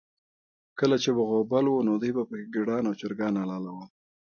کله به چې غوبل و، نو دوی به پکې ګډان او چرګان حلالول.